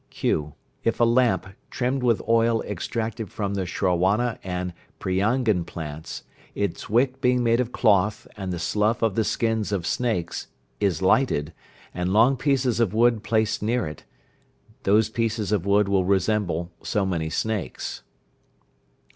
(q). If a lamp, trimmed with oil extracted from the shrawana and priyangn plants, its wick being made of cloth and the slough of the skins of snakes, is lighted, and long pieces of wood placed near it, those pieces of wood will resemble so many snakes.